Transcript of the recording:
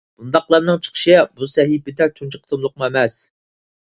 بۇنداقلارنىڭ چىقىشى بۇ سەھىپىدە تۇنجى قېتىملىقىمۇ ئەمەس.